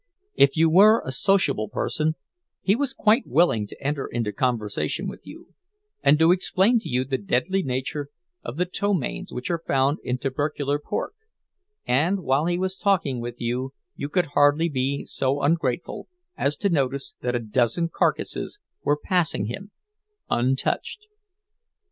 If you were a sociable person, he was quite willing to enter into conversation with you, and to explain to you the deadly nature of the ptomaines which are found in tubercular pork; and while he was talking with you you could hardly be so ungrateful as to notice that a dozen carcasses were passing him untouched.